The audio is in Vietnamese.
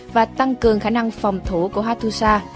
và tăng cường khả năng phòng thủ của hattusa